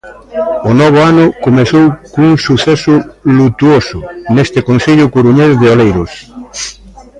O novo ano comezou cun suceso lutuoso neste concello coruñés de Oleiros.